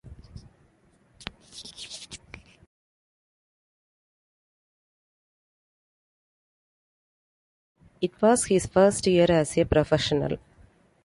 It was his first year as a professional.